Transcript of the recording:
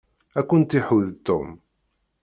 Ad kent-iḥudd Tom.